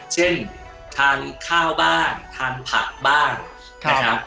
เช่นทานข้าวบ้างทานผักบ้าง